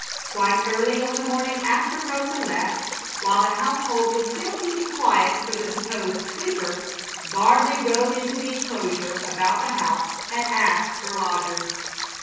Quite early on the morning after Rosa left, while the household was still keeping quiet for the supposed sleeper, Gardley rode into the inclosure about the house and asked for Rogers.